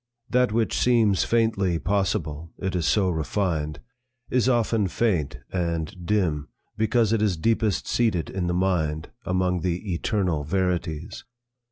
That which seems faintly possible it is so refined, is often faint and dim because it is deepest seated in the mind among the eternal verities.